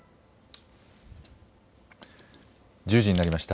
１０時になりました。